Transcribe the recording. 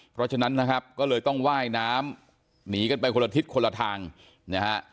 เพราะฉะนั้นนะครับก็เลยต้องว่ายน้ำหนีกันไปคนละทิศคนละทางนะฮะ